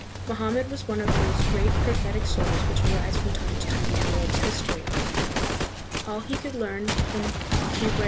Mohammed was one of those great, prophetic souls which arise from time to time in the world's history. All he could learn from 38 THE PHILIPPINES.